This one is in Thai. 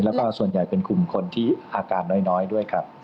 แล้วก็ส่วนใหญ่เป็นกลุ่มคนที่อาการน้อยด้วยครับ